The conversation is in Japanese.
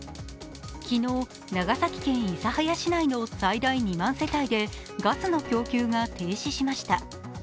昨日、長崎県諫早市内の最大２万世帯で、ガスの供給が停止しました。